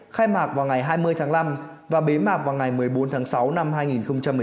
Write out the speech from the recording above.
khai mạc vào ngày hai mươi tháng năm và bế mạc vào ngày một mươi bốn tháng sáu năm hai nghìn một mươi chín